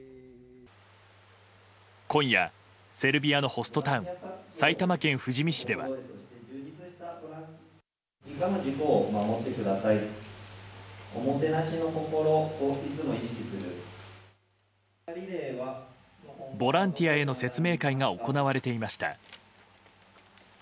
今夜、セルビアのホストタウン埼玉県富士見市では。ボランティアへの説明会が行われていました。